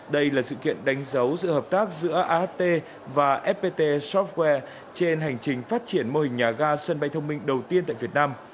đây là sự kiện đánh dấu sự hợp tác giữa aht và fpt software trên hành trình phát triển mô hình nhà ga sân bay thông minh đầu tiên tại việt nam